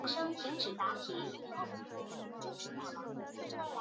故事主要分成六段以讲述六篇发生在美国边界的西部故事。